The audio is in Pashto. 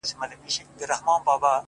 خدایه ته چیري یې او ستا مهرباني چیري ده ـ